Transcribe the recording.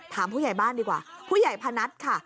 ผู้ใหญ่บ้านดีกว่าผู้ใหญ่พนัทค่ะ